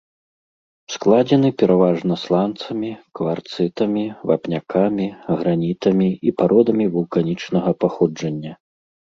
Складзены пераважна сланцамі, кварцытамі, вапнякамі, гранітамі і пародамі вулканічнага паходжання.